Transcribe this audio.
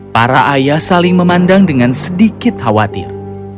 para ayah saling memandang dengan sedikit khawatir